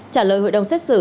trả lời hội đồng xét xử